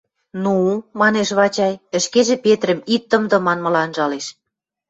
— Ну-у! — манеш Вачай, ӹшкежӹ Петрӹм «Ит тымды» манмыла анжалеш.